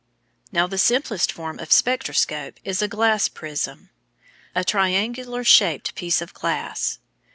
Now the simplest form of spectroscope is a glass prism a triangular shaped piece of glass.